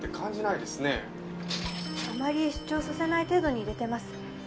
あまり主張させない程度に入れてます。